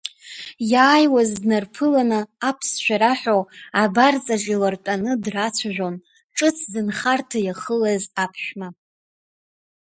Иааиуаз, днарԥыланы аԥсшәа раҳәо, абарҵаҿ илартәаны, драцәажәон ҿыц зынхарҭа иахылаз аԥшәма.